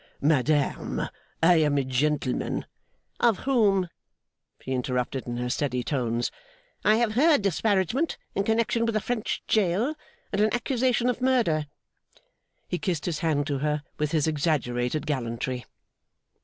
'Madame, I am a gentleman ' 'Of whom,' she interrupted in her steady tones, 'I have heard disparagement, in connection with a French jail and an accusation of murder.' He kissed his hand to her with his exaggerated gallantry.